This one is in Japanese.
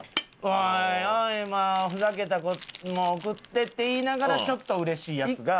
おいおいふざけたもんを贈ってって言いながらちょっと嬉しいやつが。